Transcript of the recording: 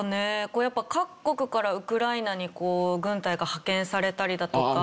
やっぱ各国からウクライナに軍隊が派遣されたりだとか。